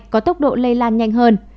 có tốc độ lây lan nhanh hơn